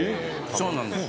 そうなんです。